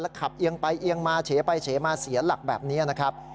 ขับเอียงไปเอียงมาเฉไปเฉมาเสียหลักแบบนี้นะครับ